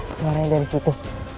keluar dari situ